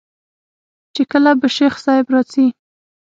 چې کله به شيخ صاحب راځي.